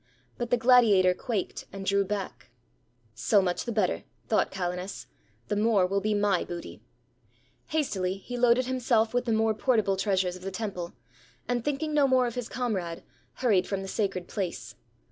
But the gladiator quaked, and drew back. "So much the better," thought Calenus; "the more will be my booty." Hastily he loaded himself with the more portable treasures of the temple; and thinking no more of his comrade, hurried from the sacred place.